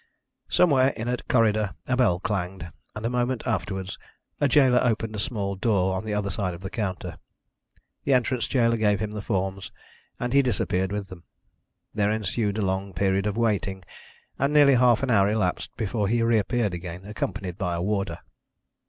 Somewhere in a corridor a bell clanged, and a moment afterwards a gaoler opened a small door on the other side of the counter. The entrance gaoler gave him the forms, and he disappeared with them. There ensued a long period of waiting, and nearly half an hour elapsed before he reappeared again, accompanied by a warder.